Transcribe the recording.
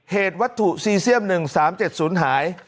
เหตุวัตถุซีเซียม๑๓๗๐หาย